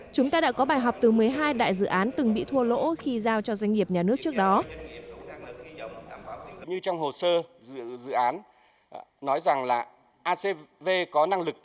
chúng ta đã có bài học từ một mươi hai đại dự án từng bị thua lỗ khi giao cho doanh nghiệp nhà nước trước đó